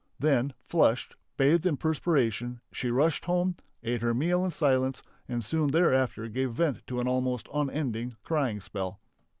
Then, flushed, bathed in perspiration, she rushed home, ate her meal in silence and soon thereafter gave vent to an almost unending crying spell.